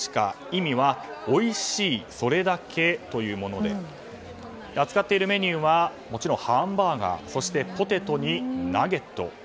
意味は「おいしい、それだけ」というもので扱っているメニューはもちろんハンバーガーそしてポテトにナゲット。